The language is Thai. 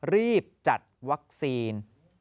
รีบจัดวัคซีน